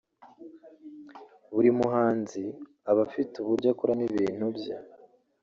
buri muhanzi aba afite uburyo akoramo ibintu bye